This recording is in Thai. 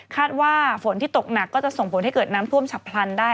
ว่าฝนที่ตกหนักก็จะส่งผลให้เกิดน้ำท่วมฉับพลันได้